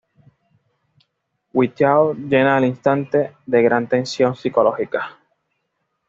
Watteau llena el instante de gran tensión psicológica.